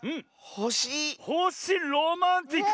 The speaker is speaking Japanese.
ほしロマンチック！